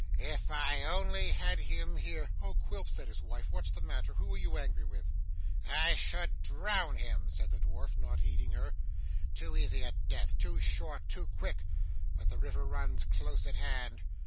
If I only had him here ' 'Oh Quilp!' said his wife, 'what's the matter? Who are you angry with?' ' I should drown him,' said the dwarf, not heeding her. 'Too easy a death, too short, too quick but the river runs close at hand.